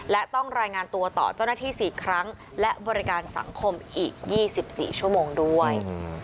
และต้องรายงานตัวต่อเจ้าหน้าที่๔ครั้งและบริการสังคมอีก๒๔ชั่วโมงด้วย